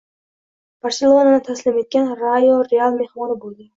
“Barselona”ni taslim etgan “Rayo” “Real” mehmoni bo‘ladi